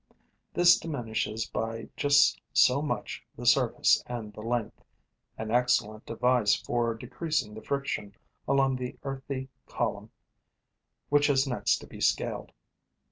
This diminishes by just so much the surface and the length, an excellent device for decreasing the friction along the earthy column which has next to be scaled.